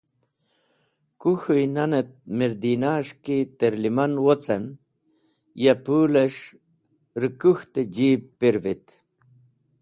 Kũ k̃hũynan et mirdina’es̃h ki trẽ liman wocen, ya pũles̃h rẽ kũk̃ht-e jib pirivt.